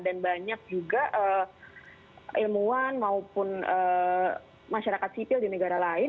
dan banyak juga ilmuwan maupun masyarakat sipil di negara lain